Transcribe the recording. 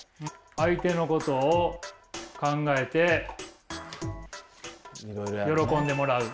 相手のことを考えて喜んでもらう。